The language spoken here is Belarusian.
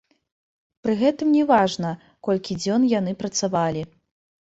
Пры гэтым не важна, колькі дзён яны працавалі.